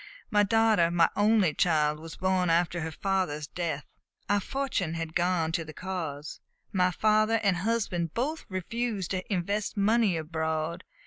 My daughter, my only child, was born after her father's death. Our fortune had gone to the Cause. My father and my husband both refused to invest money abroad.